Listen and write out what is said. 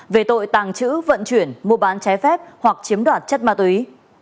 về tội tàng trữ vận chuyển mua bán trái phép hoặc chiếm đoạt chất ma túy